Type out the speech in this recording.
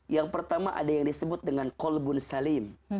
yang pertama ada yang disebut dengan kolbun salim